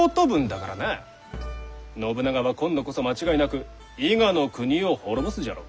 信長は今度こそ間違いなく伊賀国を滅ぼすじゃろ。